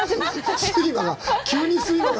睡魔が。